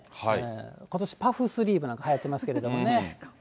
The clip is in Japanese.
ことし、パフスリーブなんてはやってますけれどもね。